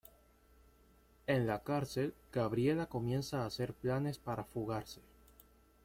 En la cárcel, Gabriela comienza a hacer planes para fugarse.